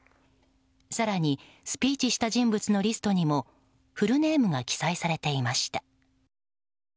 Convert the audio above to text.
更にスピーチした人物のリストにもフルネームが記載されていました。